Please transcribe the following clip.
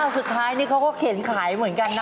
สุดท้ายนี่เขาก็เข็นขายเหมือนกันนะ